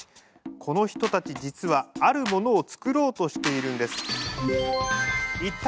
この人たち実はあるものを作ろうとしているんです。